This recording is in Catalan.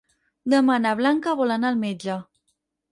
Demà na Blanca vol anar al metge.